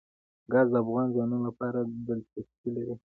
ګاز د افغان ځوانانو لپاره دلچسپي لري.